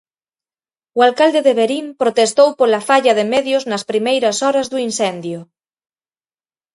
O alcalde de Verín protestou pola falla de medios nas primeiras horas do incendio.